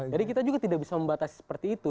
jadi kita juga tidak bisa membatasi seperti itu